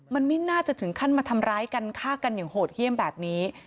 มันไม่น่าจะถึงขั้นมาทำร้ายกันฆ่ากันอย่างโหดเยี่ยมแบบนี้